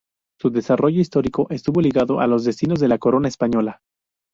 Su desarrollo histórico estuvo ligado a los destinos de la Corona Española.